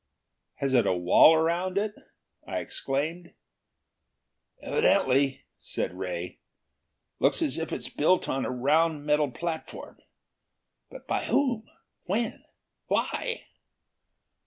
"Has it a wall around it?" I exclaimed. "Evidently," said Ray. "Looks as if it's built on a round metal platform. But by whom? When? Why?"